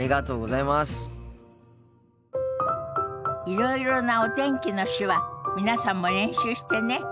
いろいろなお天気の手話皆さんも練習してね。